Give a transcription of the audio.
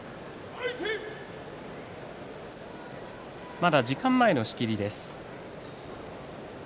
まだ時間前の仕切りです。